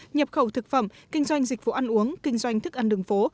nhập khẩu thực phẩm kinh doanh dịch vụ ăn uống kinh doanh thức ăn đường phố